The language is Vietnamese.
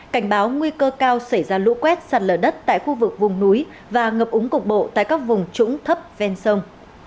cảnh báo nguy cơ cao xảy ra lũ quét sạt lở đất tại khu vực vùng núi và ngập úng cục bộ tại các vùng trũng thấp ven sông